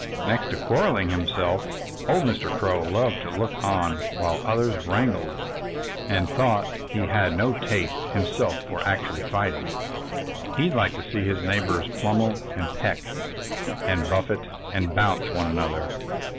Next to quarreling himself, old Mr. Crow loved to look on while others wrangled. And though he had no taste himself for actual fighting, he liked to see his neighbors pummel and peck and buffet and bounce one another.